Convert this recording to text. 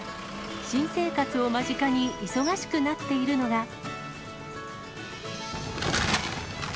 新生活を間近に忙しくなっているのが。